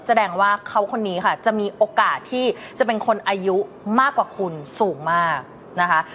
แสดงว่าเขาคนนี้ค่ะจะมีโอกาสที่จะเป็นคนอายุมากกว่าคุณสูงมากนะคะ